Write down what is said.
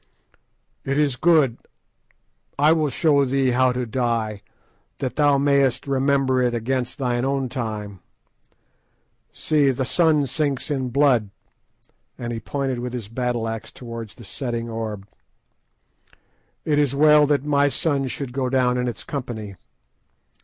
"It is good. I will show thee how to die, that thou mayest remember it against thine own time. See, the sun sinks in blood," and he pointed with his battle axe towards the setting orb; "it is well that my sun should go down in its company.